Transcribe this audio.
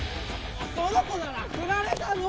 その子ならフラれたの！